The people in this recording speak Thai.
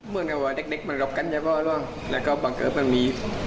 ทุกคนก็ว่าเด็กมันรอบกันแล้วก็บางเกิดมันมี